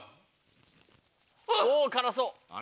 おぉ辛そう！